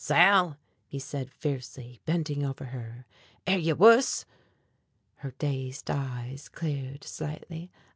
"Sal!" he said fiercely, bending over her, "air ye wuss?" Her dazed eyes cleared slightly.